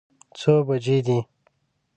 څو بجې دي؟